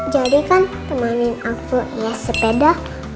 jadi kan temenin aku ya sepeda